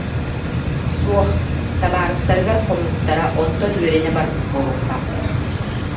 Суох, табаарыстарыгар хоммуттара, онтон үөрэнэ барбыт буолуохтаахтар